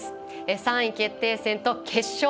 ３位決定戦と決勝。